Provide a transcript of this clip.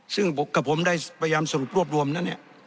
ซึ่งกับผมได้พยายามสรุปรวบรวมแล้วเนี่ย